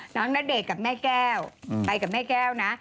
ณเดชน์กับแม่แก้วไปกับแม่แก้วนะ